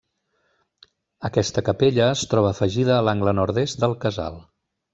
Aquesta capella es troba afegida a l'angle nord-est del casal.